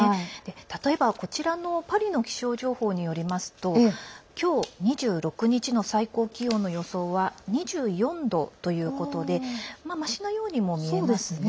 例えば、こちらのパリの気象情報によりますと今日２６日の最高気温の予想は２４度ということでましなようにも見えますね。